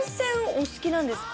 お好きなんですか？